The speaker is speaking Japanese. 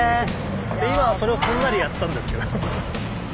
で今はそれをすんなりやったんですけど。